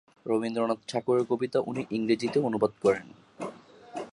রবীন্দ্রনাথ ঠাকুরের কবিতা উনি ইংরেজিতে অনুবাদ করেন।